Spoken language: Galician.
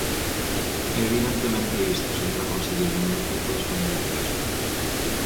E, evidentemente, isto, señora conselleira, non é culpa dos gandeiros.